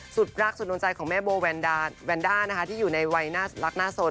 สุดรักสุดนวนใจของแม่โบวานดาวานดานะคะที่อยู่ในวัยรักน่าสน